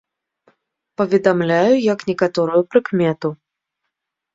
Паведамляю, як некаторую прыкмету.